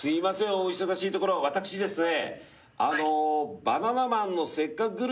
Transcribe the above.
お忙しいところ私ですね